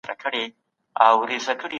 د علت او معلول پېژندل تحليل ته هم ګټه رسوي.